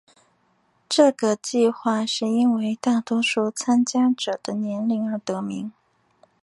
这个计画是因为大多数参加者的年龄而得名。